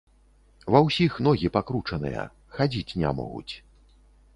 Ва ўсіх ногі пакручаныя, хадзіць не могуць.